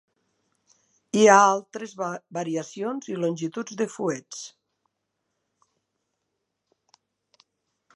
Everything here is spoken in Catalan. Hi ha altres variacions i longituds de fuets.